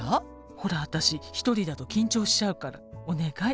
ほら私１人だと緊張しちゃうからお願い。